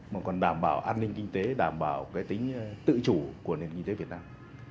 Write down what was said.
mà còn đảm bảo an ninh kinh tế đảm bảo tính tự chủ của nền kinh tế việt nam